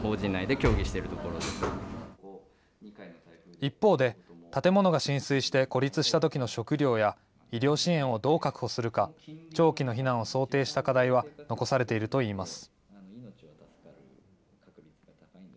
一方で、建物が浸水して孤立したときの食料や、医療支援をどう確保するか、長期の避難を想定した課題は残されているといいます。